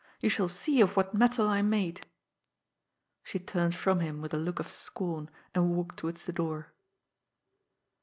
You shall see of what metal I am made." She turned from him with a look of scorn, and walked towards the door.